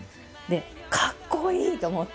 かっこいい！と思って。